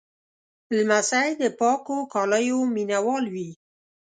لمسی د پاکو کالیو مینهوال وي.